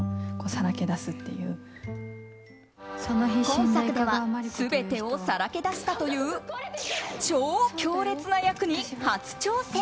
今作では全てをさらけ出したという超強烈な役に初挑戦。